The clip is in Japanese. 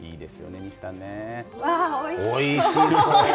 おいしそう。